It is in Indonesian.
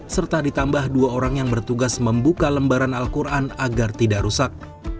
serta ditambah dua orang yang bertugas membuka lembaran al quran agar tidak rusak